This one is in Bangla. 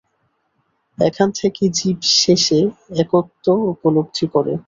এখান থেকেই জীব শেষে একত্ব উপলব্ধি করে।